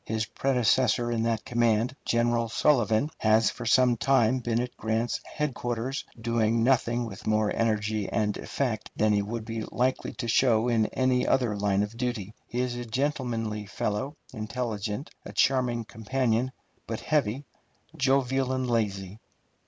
His predecessor in that command, General Sullivan, has for some time been at Grant's headquarters, doing nothing with more energy and effect than he would be likely to show in any other line of duty. He is a gentlemanly fellow, intelligent, a charming companion, but heavy, jovial, and lazy.